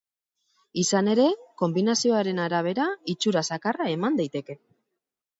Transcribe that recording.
Izan ere, konbinazioaren arabera itxura zakarra eman daiteke.